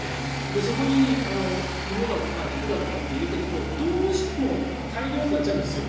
そこに芋だとか肉だとかって入れていくとどうしても大量になっちゃうんですよ